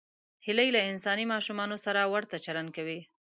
هیلۍ له انساني ماشومانو سره ورته چلند کوي